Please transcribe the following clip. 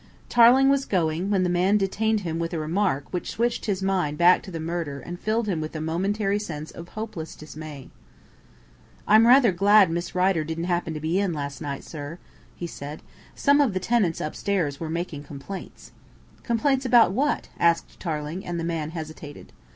Tarling was going, when the man detained him with a remark which switched his mind back to the murder and filled him with a momentary sense of hopeless dismay. "I'm rather glad Miss Rider didn't happen to be in last night, sir," he said. "Some of the tenants upstairs were making complaints." "Complaints about what?" asked Tarling, and the man hesitated.